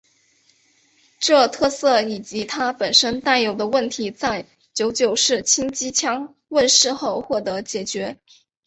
这特色以及它本身带有的问题在九九式轻机枪问世后获得解决。